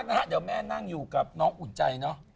นะฮะเดี๋ยวแม่นั่งอยู่กับน้องอุ่นใจเนอะ